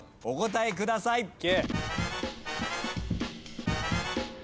お答えください。